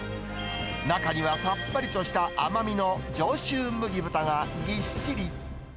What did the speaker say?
中にはさっぱりとした甘みの上州麦豚がぎっしり。